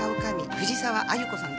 藤沢亜由子さん？